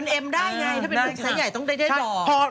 มันเอ็มได้ไงถ้าเป็นคนที่ใส่ใหญ่ต้องได้บอก